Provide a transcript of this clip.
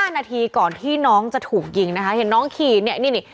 นาทีก่อนที่น้องจะถูกยิงนะคะเห็นน้องขี่เนี่ยนี่